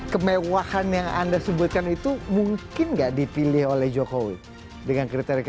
kemewahan yang anda sebutkan itu mungkin nggak dipilih oleh jokowi dengan kriteria